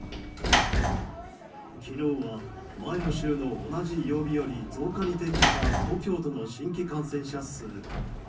昨日は前の週の同じ曜日より増加に転じた東京都の新規感染者数。